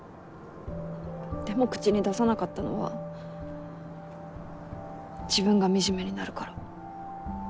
でも口に出さなかったのは自分が惨めになるから。